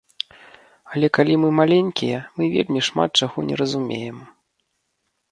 Але калі мы маленькія, мы вельмі шмат чаго не разумеем.